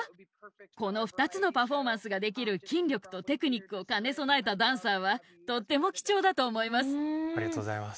この２つのパフォーマンスができる筋力とテクニックを兼ね備えたダンサーは、ありがとうございます。